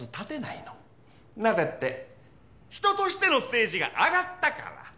なぜって人としてのステージが上がったから。